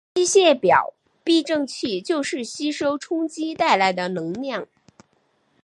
机械表避震器就是吸收冲击带来的能量。